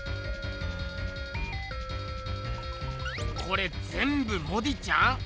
これぜんぶモディちゃん？